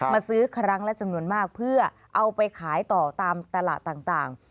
ซื้อครั้งละจำนวนมากเพื่อเอาไปขายต่อตามตลาดต่าง